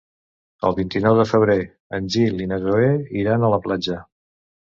El vint-i-nou de febrer en Gil i na Zoè iran a la platja.